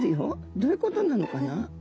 どういうことなのかな？